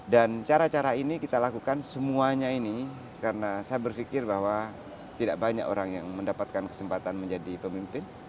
dan cara cara ini kita lakukan semuanya ini karena saya berfikir bahwa tidak banyak orang yang mendapatkan kesempatan menjadi pemimpin